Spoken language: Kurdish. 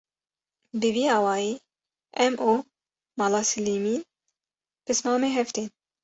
bi vî awayî em û mala Silêmîn pismamê hev tên